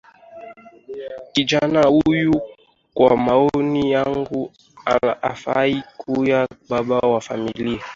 Kijana huyu, kwa maoni yangu, hafai kuwa baba wa familia.